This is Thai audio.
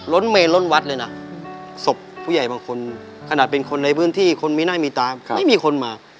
ล้นเมนล้นวัดเลยนะศพผู้ใหญ่บางคนขนาดเป็นคนในพื้นที่คนมีหน้ามีตาไม่มีคนมา